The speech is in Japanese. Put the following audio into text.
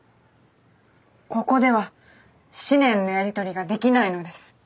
ここでは思念のやり取りができないのです。